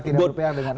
tidak berpihak dengan